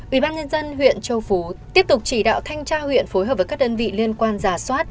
ủy ban nhân dân huyện châu phú tiếp tục chỉ đạo thanh tra huyện phối hợp với các đơn vị liên quan giả soát